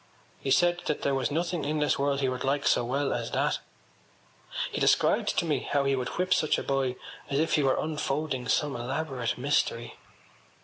He said that there was nothing in this world he would like so well as that. He described to me how he would whip such a boy as if he were unfolding some elaborate mystery.